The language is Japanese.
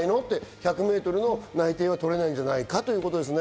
１００ｍの内定は取れないんじゃないかということですね。